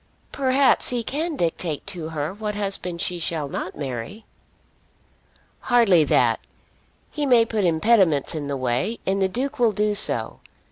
"Perhaps he can dictate to her what husband she shall not marry." "Hardly that. He may put impediments in the way; and the Duke will do so.